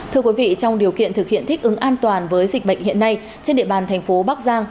thưa quý vị trong điều kiện thực hiện thích ứng an toàn với dịch bệnh hiện nay trên địa bàn thành phố bắc giang